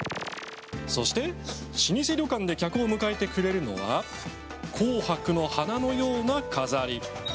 そして老舗旅館で客を迎えてくれるのは紅白の花のような飾り。